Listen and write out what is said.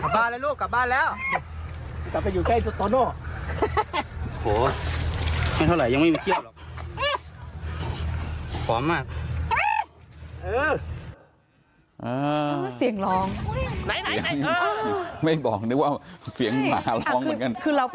กันแล้วกันแล้วใครเอาฟังมาล่ะไม่ไม่ไม่เราต้องไปหยากหน้าเลยมั้ย